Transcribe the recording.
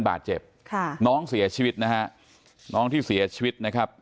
บาดเจ็บค่ะน้องเสียชีวิตนะฮะน้องที่เสียชีวิตนะครับ